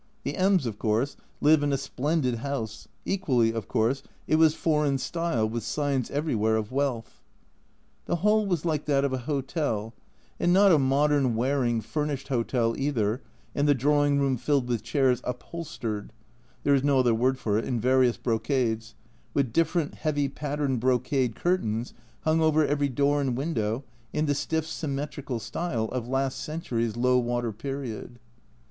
The M s, of course, live in a splendid house, equally, of course, it was "foreign style," with signs everywhere of wealth. The hall was like that of a hotel, and not a modern Waring furnished hotel either, and the drawing room filled with chairs " upholstered " (there is no other word for it) in various brocades, with different heavy patterned brocade curtains hung over every door and window in the stiff symmetrical style of last century's low water period.